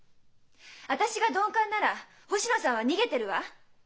私が鈍感なら星野さんは逃げてるわ！